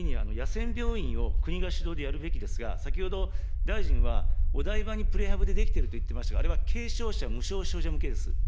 次に、野戦病院を国が主導でやるべきですが、先ほど大臣はお台場にプレハブで出来てると言ってましたが、あれは軽症者、無症状者向けです。